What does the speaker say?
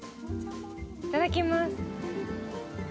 いただきます。